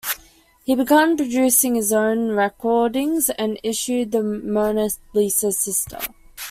He began producing his own recordings and issued "The Mona Lisa's Sister".